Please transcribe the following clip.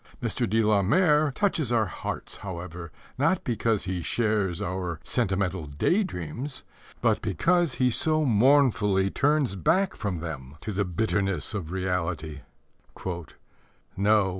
Mr. de la Mare touches our hearts, however, not because he shares our sentimental day dreams, but because he so mournfully turns back from them to the bitterness of reality: No, no.